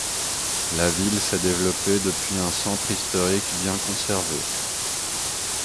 La ville s'est développée depuis un centre historique bien conservé.